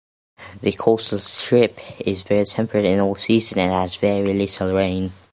The coastal strip is very temperate in all seasons and has very little rain.